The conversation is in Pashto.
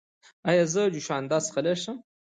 ایا زه جوشاندې څښلی شم؟